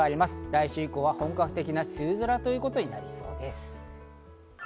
来週以降は本格的な梅雨空ということになりそうです。